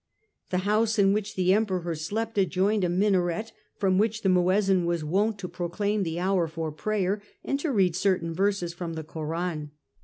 The house in which the Emperor slept adjoined a minaret from which the Muezzin was wont to proclaim the hour for prayer and to read certain verses from the Koran.